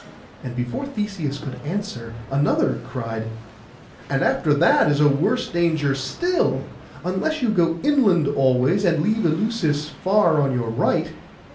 And before Theseus could answer, another cried, 'And after that is a worse danger still, unless you go inland always, and leave Eleusis far on your right.